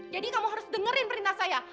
jadi kamu harus dengerin perintah saya